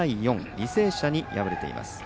履正社に敗れています。